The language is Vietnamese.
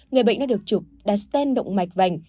người bệnh đã được chụp đặt stent động mạch vành